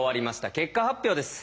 結果発表です。